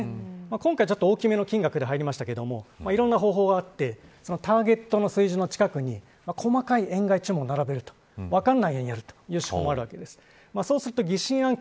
今回、大きめの金額で入りましたけどいろんな方法はあってターゲットの数字の近くに細かい円買い注文を並べると分からないようにやるという仕組みもあるわけです。